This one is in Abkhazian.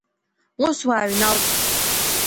Ус уааҩналт.